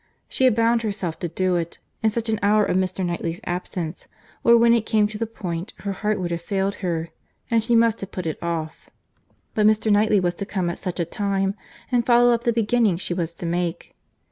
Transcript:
—She had bound herself to do it, in such an hour of Mr. Knightley's absence, or when it came to the point her heart would have failed her, and she must have put it off; but Mr. Knightley was to come at such a time, and follow up the beginning she was to make.